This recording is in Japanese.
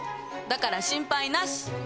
だから心配なし。